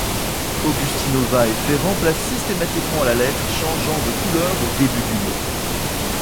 Augustinova et Ferrand placent systématiquement la lettre changeant de couleur au début du mot.